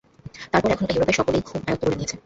তারপর এখন ওটা ইউরোপে সকলেই খুব আয়ত্ত করে নিয়েছে।